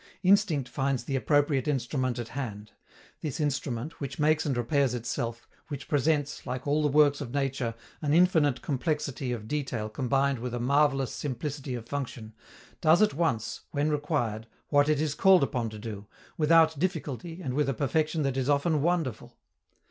Instinct finds the appropriate instrument at hand: this instrument, which makes and repairs itself, which presents, like all the works of nature, an infinite complexity of detail combined with a marvelous simplicity of function, does at once, when required, what it is called upon to do, without difficulty and with a perfection that is often wonderful.